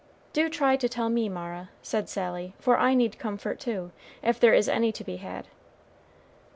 "Do try to tell me, Mara," said Sally, "for I need comfort too, if there is any to be had."